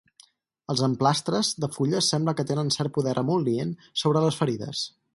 Els emplastres de fulles sembla que tenen cert poder emol·lient sobre les ferides.